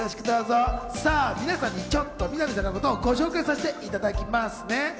皆さんにちょっと南さんのことをご紹介させていただきますね。